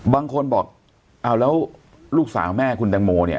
บางคนบอกเอาแล้วลูกสาวแม่คุณแตงโมเนี่ย